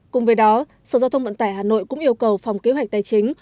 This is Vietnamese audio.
cùng với đó sở giao thông vận tải hà nội cũng yêu cầu phòng kế hoạch tài chính